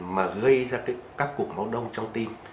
mà gây ra các cục máu đông trong tim